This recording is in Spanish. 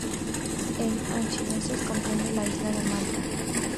El archidiócesis comprende la isla de Malta.